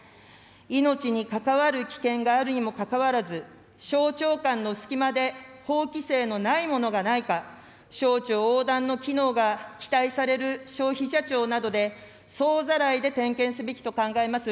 命にかかわる危険があるにもかかわらず、省庁間の隙間で法規制のないものがないか、省庁横断の機能が期待される消費者庁などで総ざらいで点検すべきと考えます。